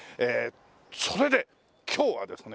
それで今日はですね